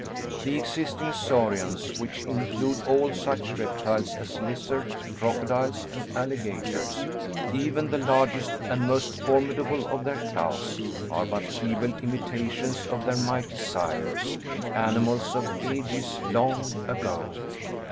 The existing saurians, which include all such reptiles as lizards, crocodiles, and alligators, even the largest and most formidable of their class, are but feeble imitations of their mighty sires, the animals of ages long ago.